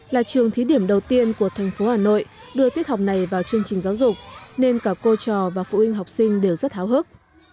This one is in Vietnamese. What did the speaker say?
là trường thí điểm đầu tiên của thành phố hà nội đưa tiết học này vào chương trình giáo dục nên cả cô trò và phụ huynh học sinh đều rất háo hức